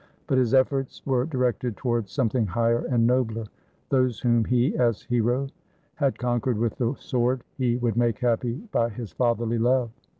But his efforts were directed towards something higher and nobler. Those whom he, as hero, had conquered with the sword, he would make happy by his fatherly love.